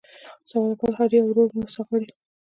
سوالګر د هر یو ورور مرسته غواړي